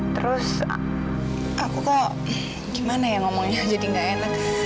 terus aku kok gimana ya ngomongnya jadi gak enak